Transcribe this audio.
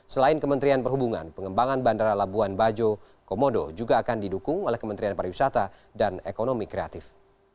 selain kementerian perhubungan pengembangan bandara labuan bajo komodo juga akan didukung oleh kementerian pariwisata dan ekonomi kreatif